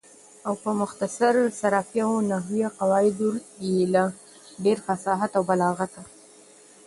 او په مختصر صرفیه او نحویه قواعدو یې له ډېره فصاحته او بلاغته